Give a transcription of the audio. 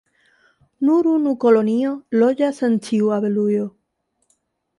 Nur unu kolonio loĝas en ĉiu abelujo.